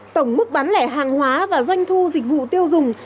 tổng mức bán lẻ hàng hóa và doanh thu dịch vụ tiêu dùng